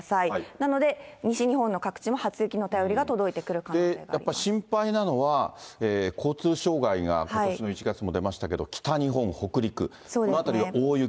なので、西日本の各地も初雪の便やっぱ心配なのは、交通障害がことしの１月も出ましたけれども、北日本、北陸。